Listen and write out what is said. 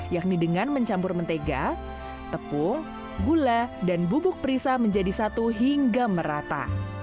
yakni dengan mencampur mentega tepung gula dan bubuk perisa menjadi satu hingga merata